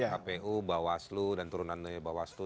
kpu bawaslu dan turunan dari bawaslu